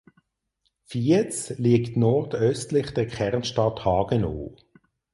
Viez liegt nordöstlich der Kernstadt Hagenow.